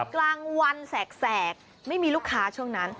กลางวันแสกไม่มีลูกค้าช่วงนั้น